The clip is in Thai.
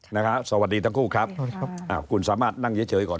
สวัสดีทั้งคู่ครับคุณสามารถนั่งเฉยก่อน